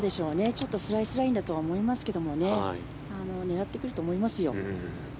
ちょっとスライスラインだとは思いますけどね狙ってくると思いますよ。